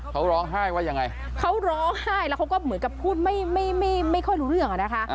เขาร้องไห้ว่ายังไงเขาร้องไห้แล้วเขาก็เหมือนกับพูดไม่ไม่ค่อยรู้เรื่องอะนะคะ